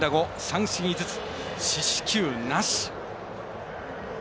三振５つ、四死球なし。